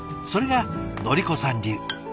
それがのり子さん流。